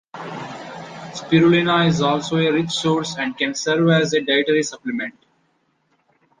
Spirulina is also a rich source and can serve as a dietary supplement.